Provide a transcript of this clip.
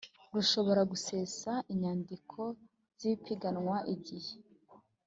rushobora gusesa inyandiko z ipiganwa igihe